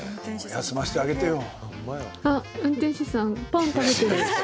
休ませてあげてよ。